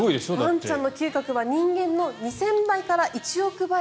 ワンちゃんの嗅覚は人間の２０００倍から１万倍。